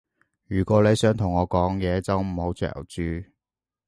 如果你想同我講嘢，就唔好嚼住